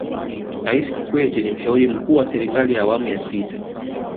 raisi kikwete ni mshauri mkuu wa serikali ya awamu ya sita